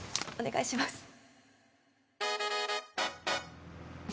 お願いします